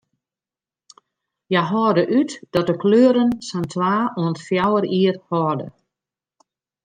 Hja hâlde út dat de kleuren sa'n twa oant fjouwer jier hâlde.